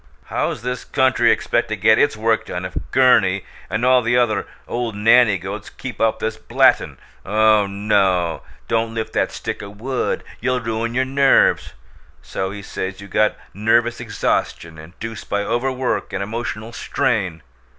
How's this country expect to get its Work done if Gurney and all the other old nanny goats keep up this blattin' 'Oh, oh! Don't lift that stick o' wood; you'll ruin your NERVES!' So he says you got 'nervous exhaustion induced by overwork and emotional strain.'